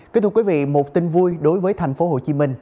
kính thưa quý vị một tin vui đối với thành phố hồ chí minh